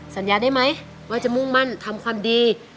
สัญญาได้ไหมว่าจะมุ่งมั่นทำความดี